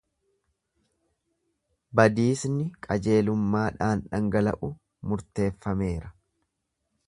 Badiisni qajeelummaadhaan dhangala'u murteeffameera.